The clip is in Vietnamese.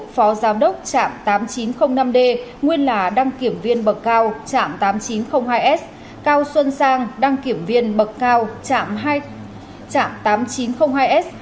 phó giám đốc trạm tám nghìn chín trăm linh năm d nguyên là đăng kiểm viên bậc cao trạm tám nghìn chín trăm linh hai s cao xuân sang đăng kiểm viên bậc cao trạm tám nghìn chín trăm linh hai s